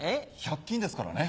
１００キンですからね。